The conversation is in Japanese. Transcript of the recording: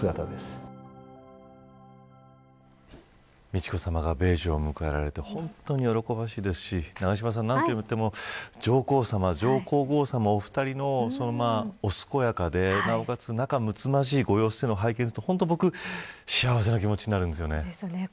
美智子さまが米寿を迎えられて本当に喜ばしいですし永島さんなんと言っても上皇さま上皇后さま、お二人のお健やかで、なおかつ仲睦まじいご様子を拝見すると幸せな気持ちになるんですよね。